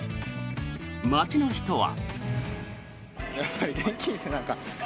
街の人は。